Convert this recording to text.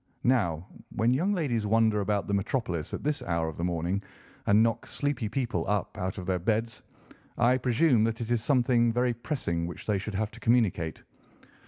Now, when young ladies wander about the metropolis at this hour of the morning, and knock sleepy people up out of their beds, I presume that it is something very pressing which they have to communicate.